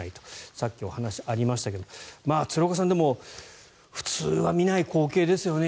さっき、お話がありましたけど鶴岡さん、でも普通は見ない光景ですよね。